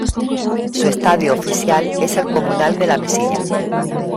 Su estadio oficial es el Comunal de la Mesilla.